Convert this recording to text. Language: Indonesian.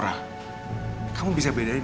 sama teman pembeliman